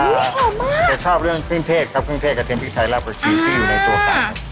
ครับคุณคะจะชอบเรื่องเครื่องเทศครับเครื่องเทศกระเทียมที่ใช้แล้วกับชีวิตที่อยู่ในตัวกัน